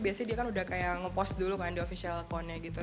biasanya dia kan udah kayak nge post dulu kayak di official account nya gitu